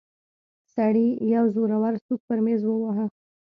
سړي يو زورور سوک پر ميز وواهه.